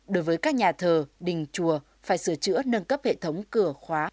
đối với các nhà thờ đình chùa phải sửa chữa nâng cấp hệ thống cửa khóa